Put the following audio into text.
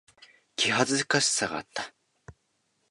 気恥ずかしさがあった。